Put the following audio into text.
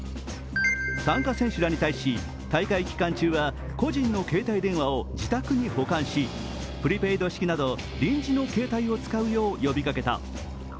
参加選手らに対し、大会期間中は個人の携帯電話を自宅に保管しプリペイド式など臨時の携帯を使うよう呼びかけた。